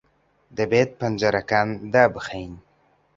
دەبێت پەنجەرەکان دابخەین.